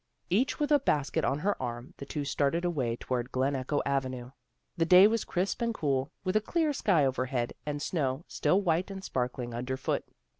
Each with a basket on her arm, the two started away toward Glen Echo Avenue. The day was crisp and cool, with a clear sky overhead, and snow, still white and sparkling, underfoot.